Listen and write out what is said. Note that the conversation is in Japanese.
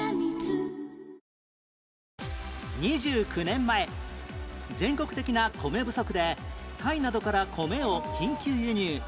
２９年前全国的な米不足でタイなどから米を緊急輸入